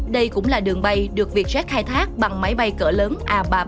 đây cũng là đường bay được vietjet khai thác bằng máy bay cỡ lớn a ba trăm ba mươi